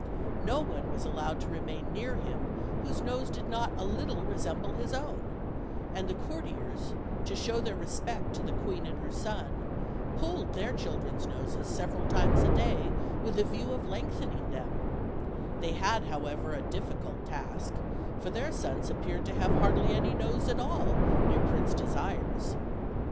No one was allowed to remain near him whose nose did not a little resemble his own, and the courtiers, to show their respect to the queen and her son, pulled their children's noses several times a day with a view of lengthening them; they had, however, a difficult task, for their sons appeared to have hardly any nose at all near Prince Desire's.